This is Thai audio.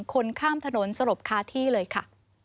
คนข้ามถนนสลบคาที่เลยค่ะ